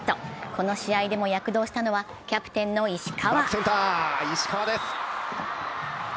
この試合でも躍動したのはキャプテンの石川。